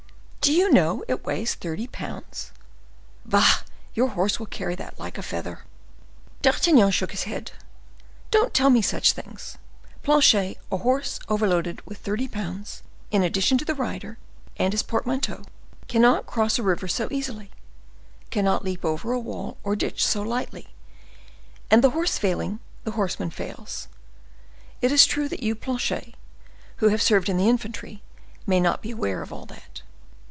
"Do you know this weighs thirty pounds?" "Bah! your horse will carry that like a feather." D'Artagnan shook his head. "Don't tell me such things, Planchet: a horse overloaded with thirty pounds, in addition to the rider and his portmanteau, cannot cross a river so easily—cannot leap over a wall or ditch so lightly; and the horse failing, the horseman fails. It is true that you, Planchet, who have served in the infantry, may not be aware of all that."